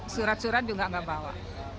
surat surat juga nggak bawa